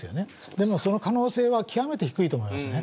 でもその可能性は極めて低いと思いますね。